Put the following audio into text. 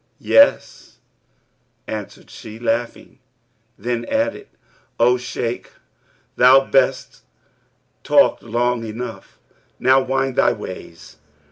'Yes,' answered she, laughing; then added, 'O Shaykh, thou best talked long enough; now wend thy ways.'